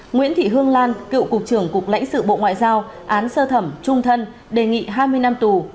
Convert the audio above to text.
nguyễn thị hương lan cựu cục trưởng cục lãnh sự bộ ngoại giao án sơ thẩm trung thân đề nghị hai mươi năm tù